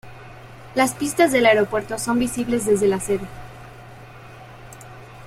Las pistas del aeropuerto son visibles desde la sede.